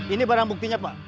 ini barang buktinya pak